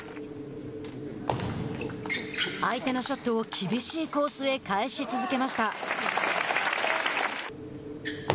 相手のショットを厳しいコースへ返し続けました。